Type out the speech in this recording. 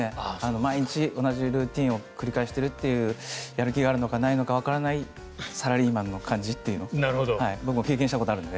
毎日同じルーチンを繰り返しているというやる気があるのか、ないのかわからないサラリーマンの感じというの僕も経験したことがあるんで。